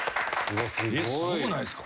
すごくないですか？